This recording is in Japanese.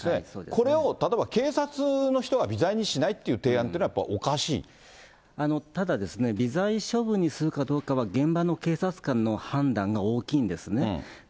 これを、例えば警察の人が微罪にしないっていう提案っていうのは、ただですね、微罪処分にするかどうかは現場の警察官の判断が大きいんですね。